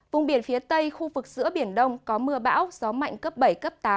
vùng biển phía tây khu vực giữa biển đông có mưa bão gió mạnh cấp bảy cấp tám